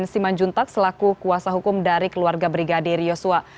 istiman juntat selaku kuasa hukum dari keluarga brigadir yosua